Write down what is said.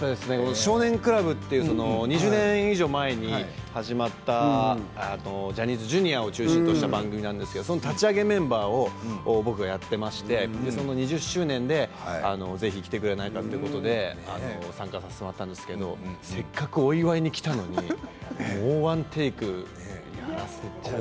「少年倶楽部」という２０年以上前にジャニーズＪｒ．を中心とした番組なんですが立ち上げメンバーを僕がやっていてその２０周年で来てくれないかということで参加させてもらったんですがせっかくお祝いに来たのにもう１テイクやらせちゃう。